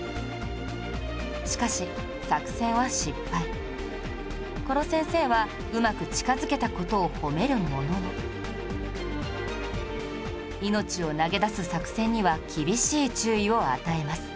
しかし作戦は失敗殺せんせーはうまく近づけた事を褒めるものの命を投げ出す作戦には厳しい注意を与えます